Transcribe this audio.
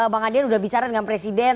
bang adian sudah bicara dengan presiden